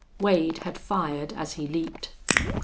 Wade had fired as he leaped.